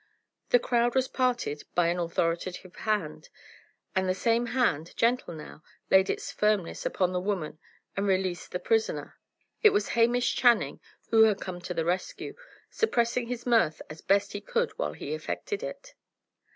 The crowd was parted by an authoritative hand, and the same hand, gentle now, laid its firmness upon the woman and released the prisoner. It was Hamish Channing who had come to the rescue, suppressing his mirth as he best could while he effected it.